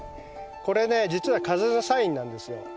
これね実は風のサインなんですよ。